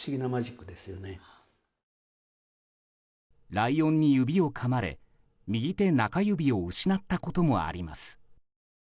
ライオンに指をかまれ右手中指を失ったこともあります。